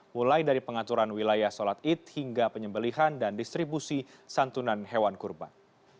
mulai dari pengaturan wilayah sholat id hingga penyembelihan dan distribusi santunan hewan kurban